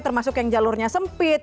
termasuk yang jalurnya sempit